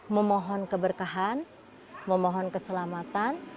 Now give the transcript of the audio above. memohon keberkahan memohon keselamatan